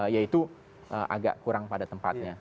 ya itu agak kurang pada tempatnya